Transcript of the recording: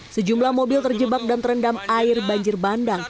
sejumlah mobil terjebak dan terendam air banjir bandang